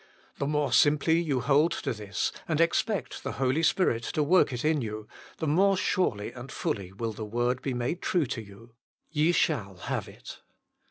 The more simply you hold to this, and expect the Holy Spirit to work it in you, the more surely and fully will the word be made true to you : Ye shall have it.